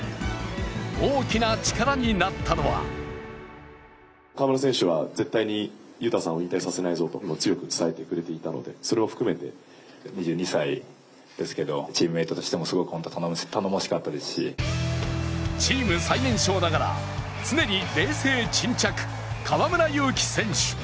大きな力になったのはチーム最年少ながら常に冷静沈着、河村勇輝選手。